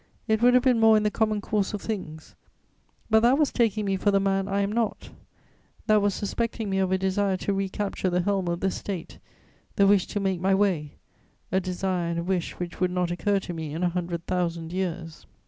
It would have been more in the common course of things; but that was taking me for the man I am not; that was suspecting me of a desire to recapture the helm of the State, the wish to make my way: a desire and a wish which would not occur to me in a hundred thousand years.